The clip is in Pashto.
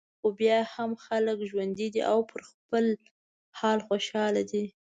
خو بیا هم خلک ژوندي دي او پر خپل حال خوشاله دي.